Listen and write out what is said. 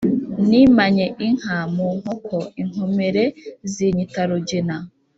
nimanye inka mu nkoko, inkomere zinyita rugina.